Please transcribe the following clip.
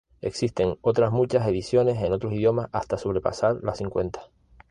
Existen otras muchas ediciones en otros idiomas, hasta sobrepasar las cincuenta.